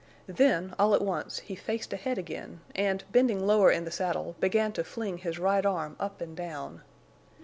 Then, all at once, he faced ahead again and, bending lower in the saddle, began to fling his right arm up and down.